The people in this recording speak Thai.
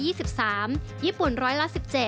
ญี่ปุ่น๑๐๐ละ๑๗